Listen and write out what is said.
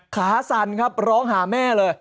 สั่นครับร้องหาแม่เลย